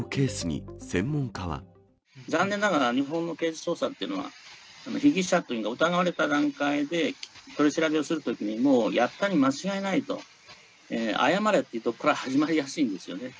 残念ながら、日本の刑事捜査というのは、被疑者と疑われた段階で、取り調べをするときに、やったに間違いないと、謝れというところから始まりやすいんですよね。